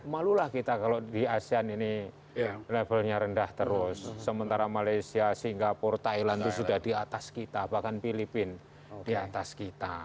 malulah kita kalau di asean ini levelnya rendah terus sementara malaysia singapura thailand itu sudah di atas kita bahkan filipina di atas kita